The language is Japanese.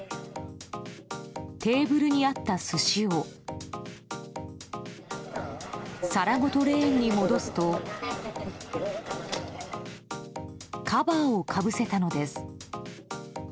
テーブルにあった寿司を皿ごとレーンに戻すとカバーをかぶせたのです。